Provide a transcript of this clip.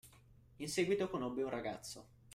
In seguito conobbe un ragazzo